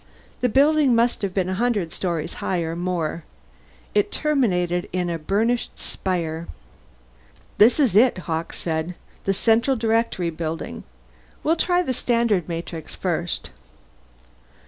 The building must have been a hundred stories high, or more. It terminated in a burnished spire. "This is it," Hawkes said. "The Central Directory Building. We'll try the Standard Matrix first."